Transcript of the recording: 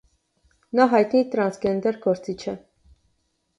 Նա հայտնի տրանսգենդեր գործիչ է։